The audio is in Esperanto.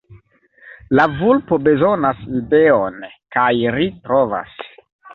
La vulpo bezonas ideon... kaj ri trovas!